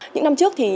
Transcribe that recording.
những năm trước thì